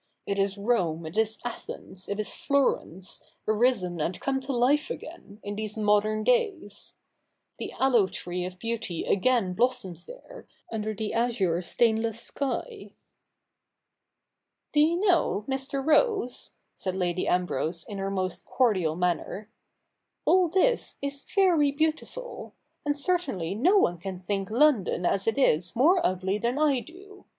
It is Rome, it is Athens, it is Florence, arisen and come to life again, in these modern days. The aloe tree of beauty again blossoms there, under the azure stainless sky.' ' Do you know, Mr. Rose,' said Lady Ambrose in her most cordial manner, ' all this is very beautiful ; and certainly no one can think London as it is more ugly than I do.